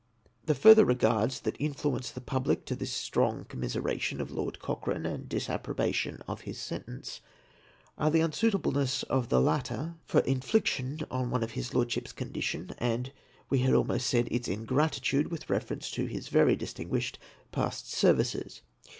The further regards that influence the public to this strong commiseration of Lord Cochrane, and disapprobation of his sentence, are the unsuitableness of the latter for infliction on one of his Lordship's condition, and, we had almost said, its ingratitude, with reference to his very distinguished past ser vices.